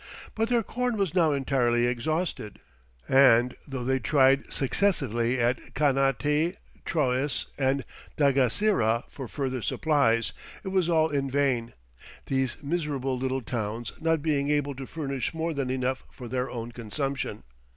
But their corn was now entirely exhausted, and though they tried successively at Canate, Trois, and Dagasira for further supplies, it was all in vain, these miserable little towns not being able to furnish more than enough for their own consumption.